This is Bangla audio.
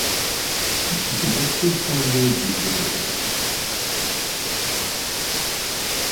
বীরত্বের সঙ্গে যুদ্ধ করতে থাকলেন।